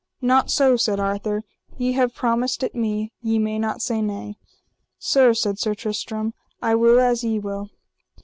Not so, said Arthur, ye have promised it me, ye may not say nay. Sir, said Sir Tristram, I will as ye will.